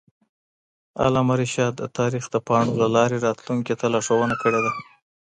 علامه رشاد د تاریخ د پاڼو له لارې راتلونکي ته لارښوونه کړې ده.